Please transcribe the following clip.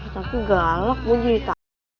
tapi galak mau cerita